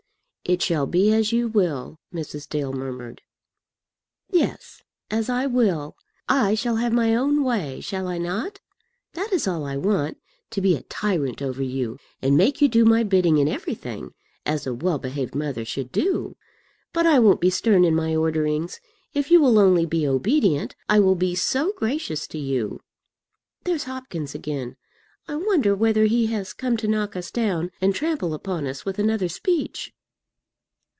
"It shall be as you will," Mrs. Dale murmured. "Yes, as I will. I shall have my own way; shall I not? That is all I want; to be a tyrant over you, and make you do my bidding in everything, as a well behaved mother should do. But I won't be stern in my orderings. If you will only be obedient, I will be so gracious to you! There's Hopkins again. I wonder whether he has come to knock us down and trample upon us with another speech."